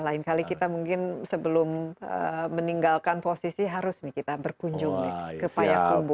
lain kali kita mungkin sebelum meninggalkan posisi harus nih kita berkunjung ke payakumbu